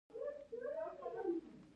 دا شتمنۍ په سعودي عربستان او کویټ کې وې.